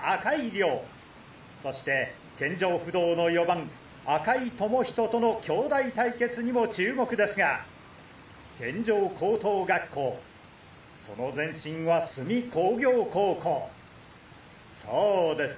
遼そして健丈不動の４番赤井智仁との兄弟対決にも注目ですが健丈高等学校その前身は須見工業高校そうです！